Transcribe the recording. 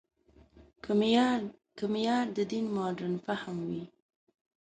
که معیار د دین مډرن فهم وي.